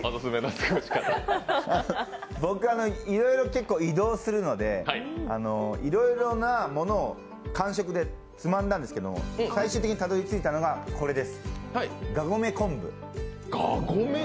僕は、結構移動するので、いろいろなものを間食でつまんだんですけど最終的にたどり着いたのがこれです、がごめ昆布。